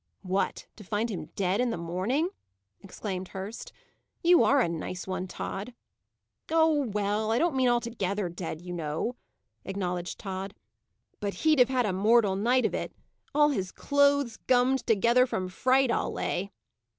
"What, to find him dead in the morning!" exclaimed Hurst. "You are a nice one, Tod!" "Oh, well, I don't mean altogether dead, you know," acknowledged Tod. "But he'd have had a mortal night of it! All his clothes gummed together from fright, I'll lay."